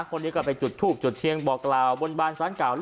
คนนี้ก็ไปจุดทูบจุดเทียนบอกกล่าวบนบานสารเก่า